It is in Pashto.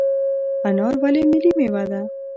انار ولې ملي میوه ده؟